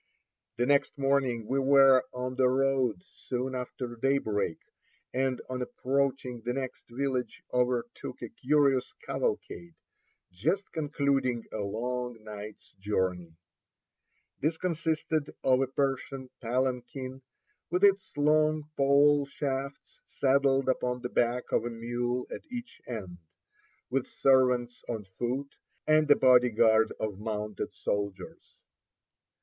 The next morning we were on the road soon after daybreak, and on approaching the next village overtook a curious cavalcade, just concluding a long night's journey. This consisted of a Persian palanquin, with its long pole shafts saddled upon the back of a mule at each end; with servants on foot, and a body guard of mounted soldiers.